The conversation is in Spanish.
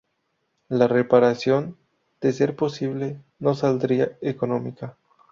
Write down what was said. La reparación, de ser posible, no saldría económica.